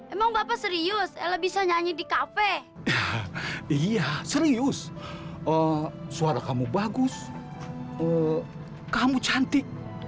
emang bapak serius ella bisa nyanyi di cafe iya serius oh suara kamu bagus oh kamu cantik